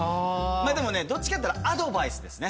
どっちかといったらアドバイスですね。